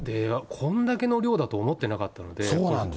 こんだけの量だと思ってなかったので。